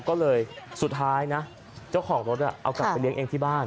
ก็เลยสุดท้ายนะเจ้าของรถเอากลับไปเลี้ยงเองที่บ้าน